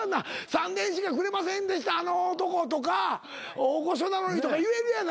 「３，０００円しかくれませんでしたあの男」とか「大御所なのに」とか言えるやないかい。